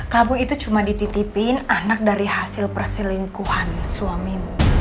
kamu itu cuma dititipin anak dari hasil perselingkuhan suamimu